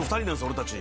俺たち。